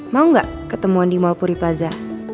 mau gak ketemuan di mall puripaza